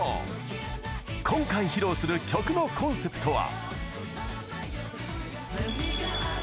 今回、披露する曲のコンセプトは。